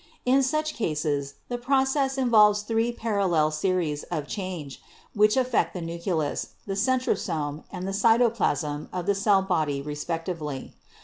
"In such cases the process involves three parallel series of change, which affect the nucleus, the centrosome and the cytoplasm of the cell body respectively.